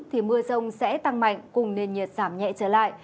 thì mưa rông sẽ tăng mạnh cùng nền nhiệt giảm nhẹ trở lại